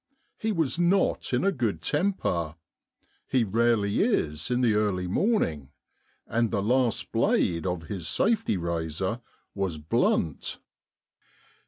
He was not in a good temper — he rarely is in the early morn ing — and the last blade of his safety razor was blunt.